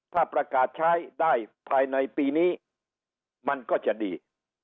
ถ้าประกาศใช้ได้ภายในปีนี้มันก็จะดี